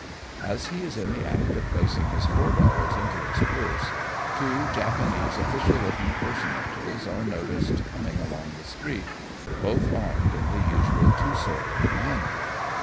As he is in the act of placing his four dollars into his purse, two Japanese official looking personages are noticed coming along the street, both armed in the usual two sworded manner.